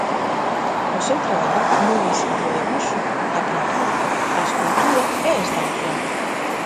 O seu traballo móvese entre o debuxo, a pintura, a escultura e a instalación.